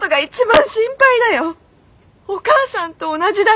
お母さんと同じだよ。